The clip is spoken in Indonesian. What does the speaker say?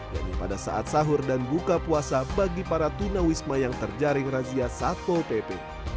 yaitu pada saat sahur dan buka puasa bagi para tunawisma yang terjaring razia satpol pp